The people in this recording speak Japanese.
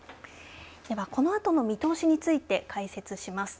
では、このあとの見通しについて解説します。